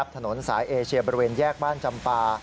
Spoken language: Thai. ถนนสายเอเชียบริเวณแยกบ้านจำปา